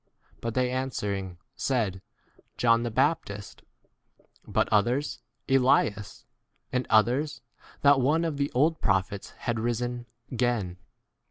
But they answer ing said, John the Baptist; but others, Elias ; and others, that one of the old prophets has risen 20 again.